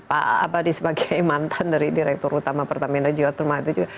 ini pak abadi sebagai mantan dari direktur utama pertama energi utama itu juga